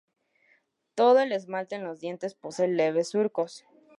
Todo el esmalte en los dientes posee leves surcos.